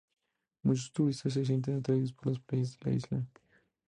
Muchos turistas se sienten atraídos por las playas de la isla.